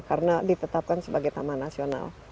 karena ditetapkan sebagai taman nasional